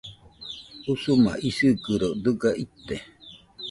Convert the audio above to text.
Usuma isigɨro dɨga ite